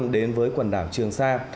đến với quần đảo trường sa